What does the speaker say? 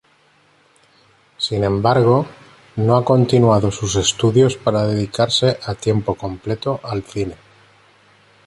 Sin embargo, no ha continuado sus estudios para dedicarse a tiempo completo al cine.